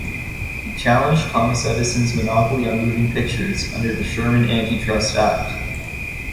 He challenged Thomas Edison's monopoly on moving pictures under the Sherman Anti-Trust Act.